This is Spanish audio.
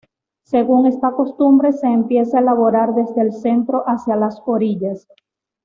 Según esta costumbre se empieza a elaborar desde el centro hacia las orillas.